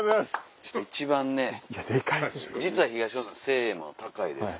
一番ね実は東野さん背も高いですし。